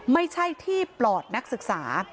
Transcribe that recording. ไม่ใช่ที่ปลอดนักศึกษา